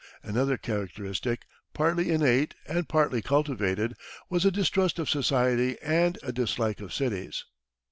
Another characteristic, partly innate and party cultivated, was a distrust of society and a dislike of cities.